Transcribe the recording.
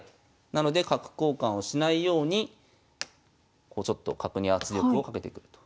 なので角交換をしないようにちょっと角に圧力をかけてくると。